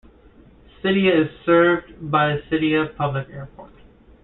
Sitia is served by the Sitia Public Airport.